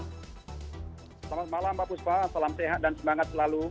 selamat malam pak buspa salam sehat dan semangat selalu